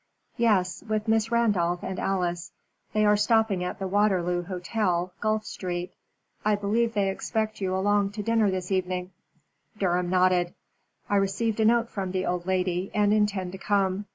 "Yes, with Miss Randolph and Alice. They are stopping at the Waterloo Hotel, Guelph Street. I believe they expect you along to dinner this evening." Durham nodded. "I received a note from the old lady, and intend to come.